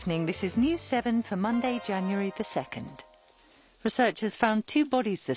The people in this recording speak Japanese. ニュース７です。